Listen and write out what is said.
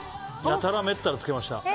やたらめったらつけました。